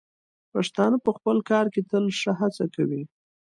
پښتانه په خپل کار کې تل ښه هڅه کوي.